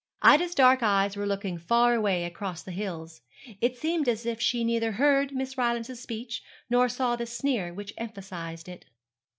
Ida's dark eyes were looking far away across the hills. It seemed as if she neither heard Miss Rylance's speech nor saw the sneer which emphasized it.